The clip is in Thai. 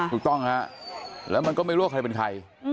ถูกต้องฮะแล้วมันก็ไม่รู้ว่าใครเป็นใคร